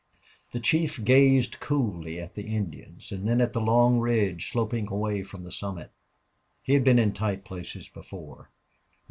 The chief gazed coolly at the Indians and then at the long ridge sloping away from the summit. He had been in tight places before.